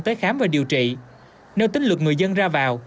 tới khám và điều trị nếu tính lượt người dân ra vào